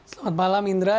selamat malam indra